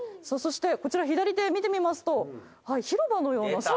そしてこちら左手見てみますと。